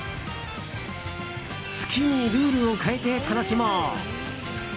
好きにルールを変えて楽しもう。